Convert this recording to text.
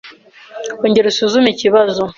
Ongera usuzume ikibazo.